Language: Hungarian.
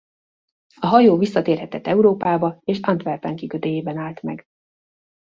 A hajó visszatérhetett Európába és Antwerpen kikötőjében állt meg.